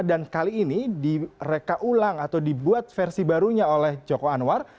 dan kali ini direka ulang atau dibuat versi barunya oleh joko anwar